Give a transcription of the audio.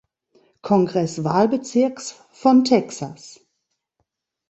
Kongresswahlbezirks von Texas.